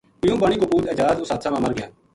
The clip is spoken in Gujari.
قیوم بانی کو پُوت اعجاز اس حاد ثہ ما مر گیا